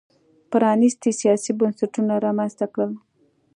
پرانیستي سیاسي بنسټونه رامنځته کړل.